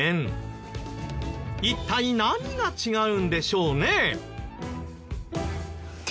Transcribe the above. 一体何が違うんでしょうね。